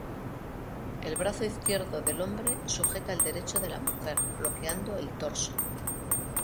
El brazo izquierdo del hombre sujeta el derecho de la mujer bloqueando el torso.